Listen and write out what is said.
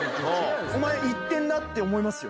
お前いってんなって思いますよ。